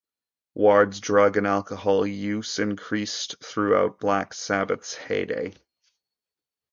Ward's drug and alcohol use increased throughout Black Sabbath's heyday.